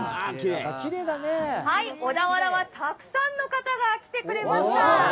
はい、小田原はたくさんの方が来てくれました。